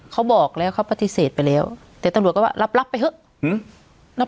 เขาบอกแล้วเขาปฏิเสธไปแล้วแต่ตำรวจก็ว่ารับรับไปเถอะ